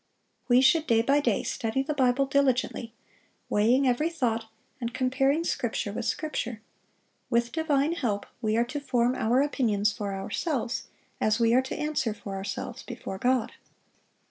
We should day by day study the Bible diligently, weighing every thought, and comparing scripture with scripture. With divine help, we are to form our opinions for ourselves, as we are to answer for ourselves before God.